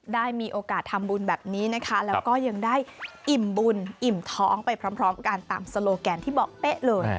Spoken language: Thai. ได้มีโอกาสทำบุญแบบนี้นะคะแล้วก็ยังได้อิ่มบุญอิ่มท้องไปพร้อมกันตามโซโลแกนที่บอกเป๊ะเลย